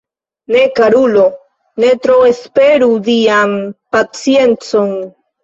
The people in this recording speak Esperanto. Ne, karulo, ne tro esperu Dian paciencon!